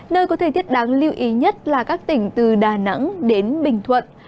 nơi có thời tiết đáng lưu ý nhất là các tỉnh từ đà nẵng đến bình thuận